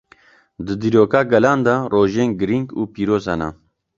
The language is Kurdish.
Di dîroka gelan de rojên giring û pîroz hene.